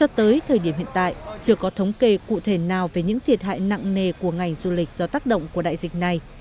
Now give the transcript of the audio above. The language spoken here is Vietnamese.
tới thời điểm hiện tại chưa có thống kê cụ thể nào về những thiệt hại nặng nề của ngành du lịch do tác động của đại dịch này